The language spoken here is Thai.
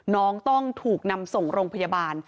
น้องต้องถูกนำส่งโรงพยาบาล